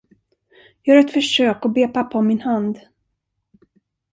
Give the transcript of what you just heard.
Gör ett försök och be pappa om min hand.